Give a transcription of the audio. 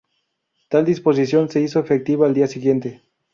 Tal disposición se hizo efectiva al día siguiente.